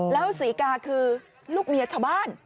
แล้วศรีกาคือลูกเมียชาวบ้าน